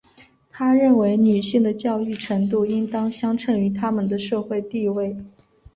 她认为女性的教育程度应当相称于她们的社会地位。